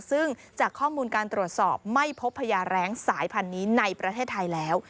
ซึ่งจากข้อมูลการตรวจสอบไม่พบพญาแร้งสายพันธุ์นี้ในประเทศไทยแล้ว